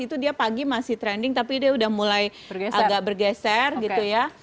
itu dia pagi masih trending tapi dia udah mulai agak bergeser gitu ya